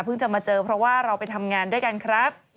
จะมาเจอเพราะว่าเราไปทำงานด้วยกันครับ